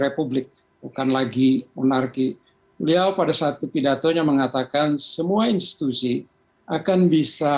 republik bukan lagi monarki beliau pada satu pidatonya mengatakan semua institusi akan bisa